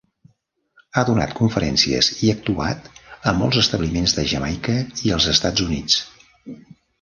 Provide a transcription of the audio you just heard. Ha donat conferències i actuat a molts establiments de Jamaica i els Estats Units.